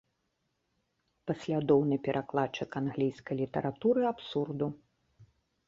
Паслядоўны перакладчык англійскай літаратуры абсурду.